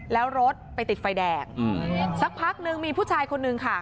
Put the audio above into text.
แล้วรถไปติดไฟแดงสักพักนึงมีผู้ชายคนนึงค่ะ